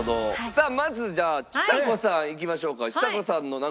さあまずじゃあちさ子さんいきましょうか。